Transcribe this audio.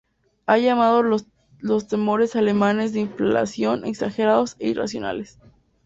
Ha llamado los temores alemanes de inflación exagerados e irracionales.